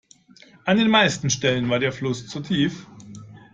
An den meisten Stellen war der Fluss zu tief.